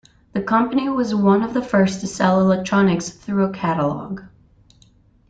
The company was one of the first to sell electronics through a catalog.